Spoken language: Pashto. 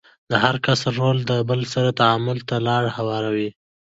د هر کس رول له بل سره تعامل ته لار هواروي.